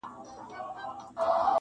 • په خِلقت کي مي حکمت د سبحان وینم..